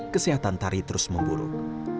kesehatan tari terus memburuk